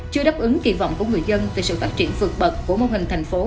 chưa đáp ứng kỳ vọng của người dân về sự phát triển vượt bậc của mô hình thành phố